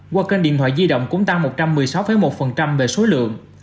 qua kênh điện thoại di động cũng tăng một trăm một mươi sáu một về số lượng